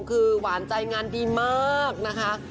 คือหวานใจงานดีมากนะคะ